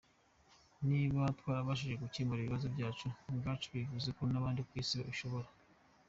Niba twarabashije gukemura ibibazo byacu ubwacu, bivuze ko n’abandi ku Isi babishobora.